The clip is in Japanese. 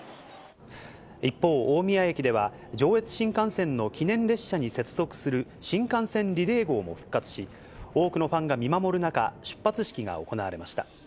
一方、大宮駅では、上越新幹線の記念列車に接続する新幹線リレー号も復活し、多くのファンが見守る中、出発式が行われました。